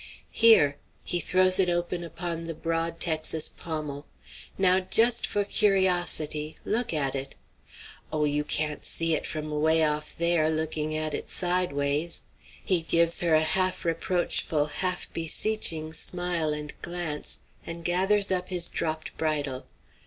"Here!" He throws it open upon the broad Texas pommel. "Now, just for curiosity, look at it oh! you can't see it from away off there, looking at it sideways!" He gives her a half reproachful, half beseeching smile and glance, and gathers up his dropped bridle.